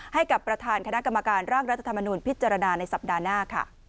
ให้กับประธานคณะกรรมการร่างรัฐธรรมนูญพิจารณาในสัปดาห์หน้าค่ะ